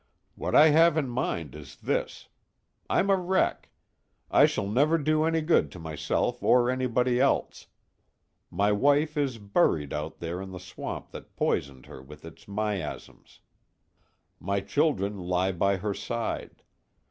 What I have in mind is this: I'm a wreck. I shall never do any good to myself or anybody else. My wife is buried out there in the swamp that poisoned her with its miasms. My children lie by her side.